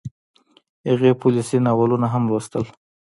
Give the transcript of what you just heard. هغې پوليسي ناولونه هم لوستل